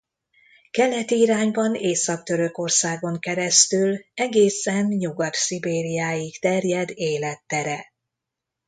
Keleti irányban Észak-Törökországon keresztül egészen Nyugat-Szibériáig terjed élettere.